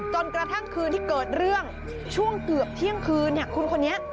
จนกระทั่งคืนที่เกิดเรื่องช่วงเกือบเที่ยงคืนคุณคนนี้